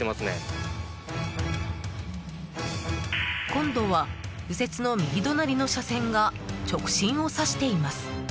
今度は、右折の右隣の車線が直進を指しています。